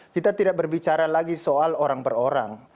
kita tidak berbicara lagi soal orang per orang